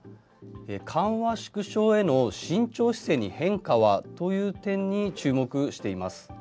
緩和縮小への慎重姿勢に変化は？という点に注目しています。